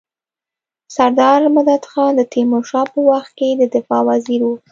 سردار مددخان د تيمورشاه په وخت کي د دفاع وزیر وو.